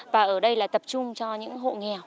và ở đây là tập trung cho những hộ nghèo